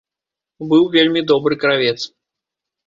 Быў вельмі добры кравец.